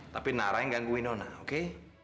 tapi nara yang ganggu winona oke